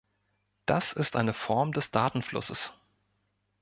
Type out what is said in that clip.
Das ist eine Form des Datenflusses.